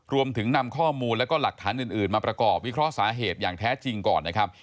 รวมถึงนำข้อมูลแล้วก็หลักฐานอื่นมาประกอบวิเคราะห์สาเหตุอย่างแท้จริงก่อนนะครับ